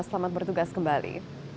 selamat bertugas kembali